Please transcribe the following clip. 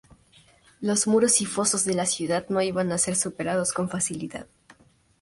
Los muros y fosos de la ciudad no iban a ser superados con facilidad.